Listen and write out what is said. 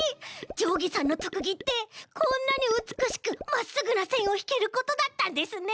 じょうぎさんのとくぎってこんなにうつくしくまっすぐなせんをひけることだったんですね！